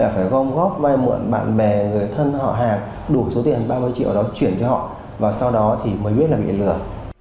phải gom góp vai muộn bạn bè người thân họ hàng đủ số tiền ba mươi triệu đó chuyển cho họ và sau đó thì mới biết là bị lừa